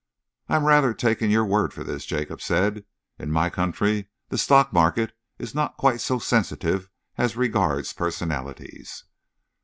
"I am rather taking your word for this," Jacob said. "In my country, the stock market is not quite so sensitive as regards personalities."